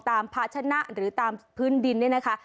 ภาชนะหรือตามพื้นดินเนี่ยนะคะ